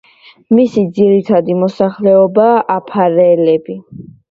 მისი ძირითადი მოსახლეობაა აფარელები.